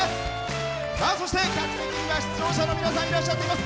そして、客席には出場者の皆さんいらっしゃってます。